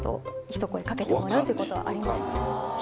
ひと声掛けてもらうってことはありました。